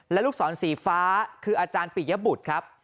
และลูกศรสีฟ้าคืออาจารย์ปิยบุตรครับ